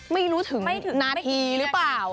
ไม่รู้ถึงนาทีหรือเปล่า